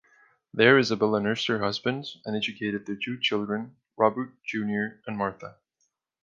There Isabella nursed her husband and educated their two children, Robert, Junior and Martha.